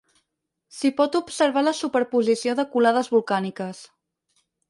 S'hi pot observar la superposició de colades volcàniques.